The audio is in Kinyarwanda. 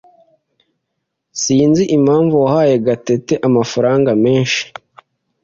Sinzi impamvu wahaye Gatete amafaranga menshi.